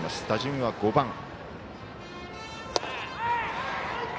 打順は５番。